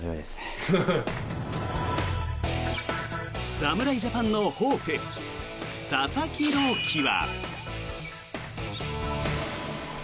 侍ジャパンのホープ佐々木朗希は。